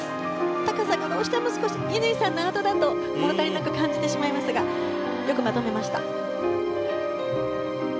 高さがどうしても乾さんのあとだと物足りなく感じてしまいますがよくまとめました。